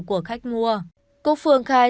của khách mua cúc phương khai